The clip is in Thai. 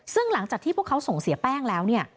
ซึ่งหลังจากที่พวกเขาส่งเสียแป้งแล้วเนี่ย